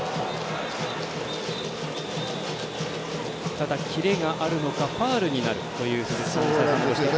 ただ、キレがあるのかファウルになるという鈴木さんのお話です。